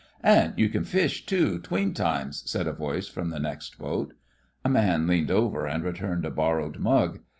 "And you can fish, too, 'tween times," said a voice from the next boat. A man leaned over and re turned a borrowed mug.